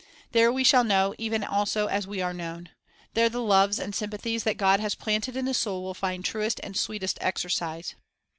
There we shall know even as also we are known. There the loves and sympathies that God has planted in the soul will find truest and sweetest exercise.